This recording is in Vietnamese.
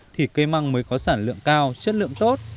thì cây măng mới có sản lượng cao chất lượng tốt